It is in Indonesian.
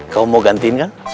kamu mau gantiin kan